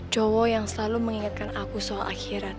cowok yang selalu mengingatkan aku soal akhirat